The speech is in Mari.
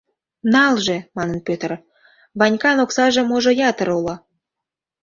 — Налже, — манын Пӧтыр, — Ванькан оксаже-можо ятыр уло.